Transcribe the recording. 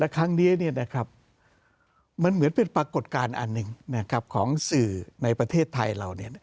ครั้งนี้มันเหมือนเป็นปรากฏการณ์อันหนึ่งของสื่อในประเทศไทยเรา